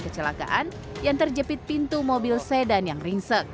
kecelakaan yang terjepit pintu mobil yang tersebut menyebabkan kecelakaan yang tersebut menyebabkan